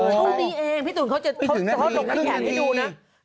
เท่านี้เองพี่ตูนเขาจะลงในแขนให้ดูนะ